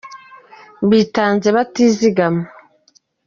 Bitanze batizigama